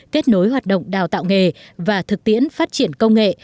kết nối hoạt động đào tạo nghề và thực tiễn phát triển công nghệ